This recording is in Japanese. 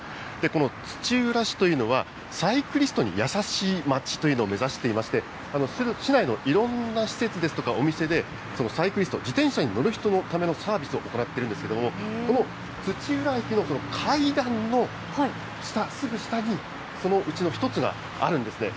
この土浦市というのは、サイクリストに優しい街というのを目指していまして、市内のいろんな施設ですとか、お店でサイクリスト、自転車に乗る人のためのサービスを行っているんですけれども、この土浦駅の階段の下、すぐ下に、そのうちの１つがあるんですね。